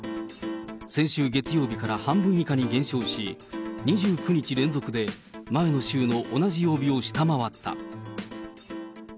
先週月曜日から半分以下に減少し、２９日連続で前の週の同じ曜日を下回った。